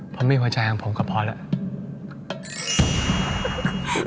ผมมีหัวใจของผมก็พอแล้ว